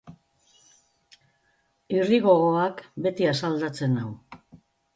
Irri gogoak beti asaldatzen nau.